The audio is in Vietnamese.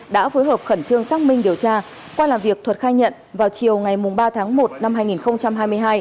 đã phối hợp khẩn trương xác minh điều tra qua làm việc thuật khai nhận vào chiều ngày ba tháng một năm hai nghìn hai mươi hai